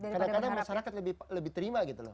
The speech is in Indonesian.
kadang kadang masyarakat lebih terima gitu loh